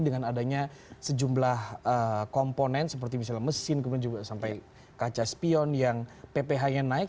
dengan adanya sejumlah komponen seperti misalnya mesin kemudian juga sampai kaca spion yang pph nya naik